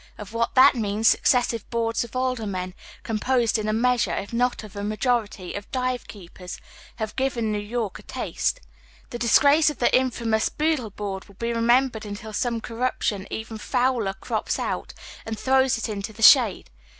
Of what that means, successive Boards of Alder men, composed in a measure, if not of a majority, of dive keepers, have given New York a taste. The disgi ace of the infamous " Boodle Board " will be remembered until some corruption even fouler crops out and throws it into the shade.